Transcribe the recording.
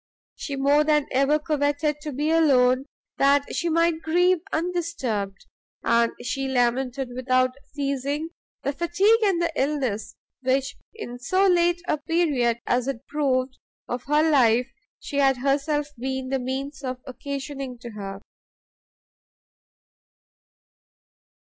She more than ever coveted to be alone, that she might grieve undisturbed, and she lamented without ceasing the fatigue and the illness which, in so late a period, as it proved, of her life, she had herself been the means of occasioning to her.